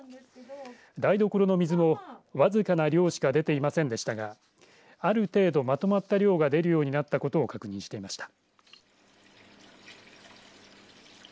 台所の水も僅かな量しか出ていませんでしたがある程度まとまった量が出るようになったことを確認していました。